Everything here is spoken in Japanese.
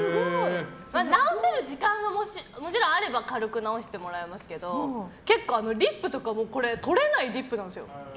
直せる時間がもちろんあれば軽く直してもらいますけど結構、リップとかもとれないリップなんですよ。